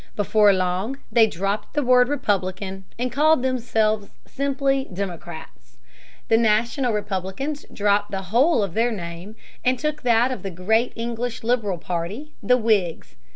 Before long they dropped the word "Republican" and called themselves simply Democrats. The National Republicans dropped the whole of their name and took that of the great English liberal party the Whigs.